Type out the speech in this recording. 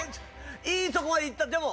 いいとこまでいったでも。